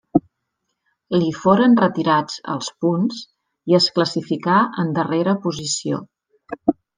Li foren retirats els punts i es classificà en darrera posició.